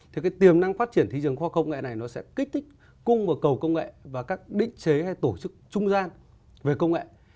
thì cái tiềm năng phát triển thị trường khoa học công nghệ này nó sẽ kích thích cung và cầu công nghệ và các định chế hay tổ chức trung gian về công nghệ